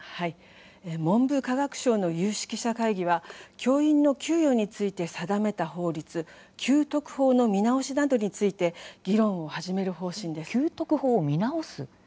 文部科学省の有識者会議は教員の給与について定めた法律給特法の見直しなどについて議論を始める方針です。